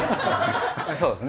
そうですね。